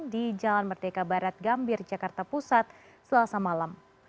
di jalan merdeka barat gambir jakarta pusat selasa malam